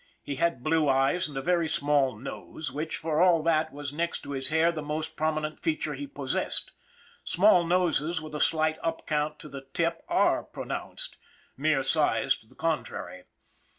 He had blue eyes, and a very small nose which, for all that, was, next to his hair, the most prominent feature he possessed small noses with a slight up cant to the tip are pronounced, mere size to the contrary.